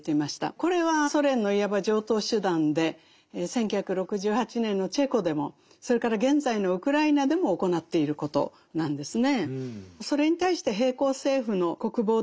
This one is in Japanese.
これはソ連のいわば常套手段で１９６８年のチェコでもそれから現在のウクライナでも行っていることなんですね。